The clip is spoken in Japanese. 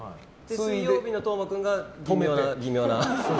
水曜日の斗真君が微妙な。